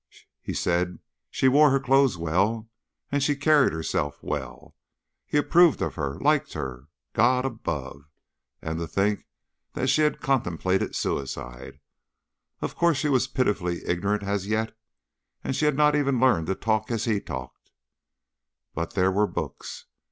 He said she wore her clothes well, that she carried herself well. He approved of her liked her! God above! And to think that she had contemplated suicide! Of course she was pitifully ignorant as yet, and she had not even learned to talk as he talked, but there were books.